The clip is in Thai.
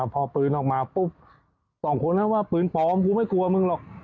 พอปืนออกมาปุ๊บสองคนนะว่าปืนปลอมกูไม่กลัวมึงหรอก